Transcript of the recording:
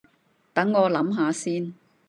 等我諗吓先